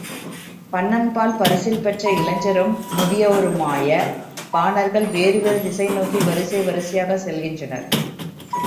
பண்ணன்பால் பரிசில் பெற்ற இளைஞரும் முதியவருமாய பாணர்கள் வேறு வேறு திசை நோக்கி வரிசை வரிசையாகச் செல்கின்றனர்.